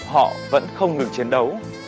họ vẫn không ngừng chiến đấu